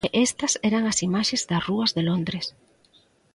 E estas eran as imaxes das rúas de Londres.